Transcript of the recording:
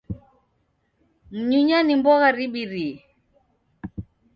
Mnyunya ni mbogha ribirie